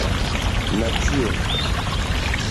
nacio